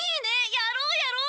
やろうやろう！